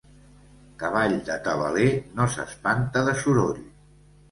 Cavall de tabaler, no s'espanta de soroll.